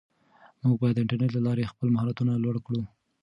موږ باید د انټرنیټ له لارې خپل مهارتونه لوړ کړو.